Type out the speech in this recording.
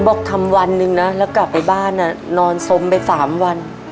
บอกทำวันหนึ่งนะแล้วกลับไปบ้านนอนสมไป๓วัน